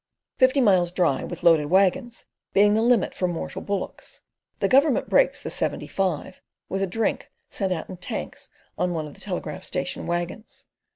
Fifty miles dry with loaded waggons being the limit for mortal bullocks, the Government breaks the "seventy five" with a "drink" sent out in tanks on one of the telegraph station waggons.